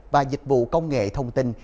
và dịch vụ công nghệ thông tin